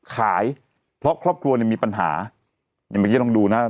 ขายเพราะครอบครัวเนี่ยมีปัญหาอย่างเมื่อกี้ลองดูนะ